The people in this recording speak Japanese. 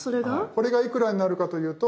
これがいくらになるかというと。